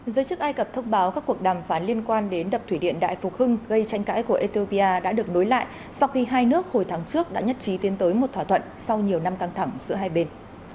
giới chức ai cập thông báo các cuộc đàm phán liên quan đến đập thủy điện đại phục hưng gây tranh cãi của ethiopia đã được nối lại sau khi hai nước hồi tháng trước đã nhất trí tiến tới một thỏa thuận sau nhiều năm căng thẳng giữa hai bên